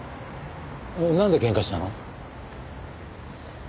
なんで喧嘩したの？